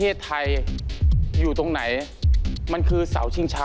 เอาแล้วถือถัด